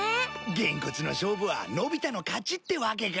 げんこつの勝負はのび太の勝ちってわけか。